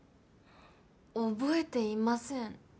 覚えていません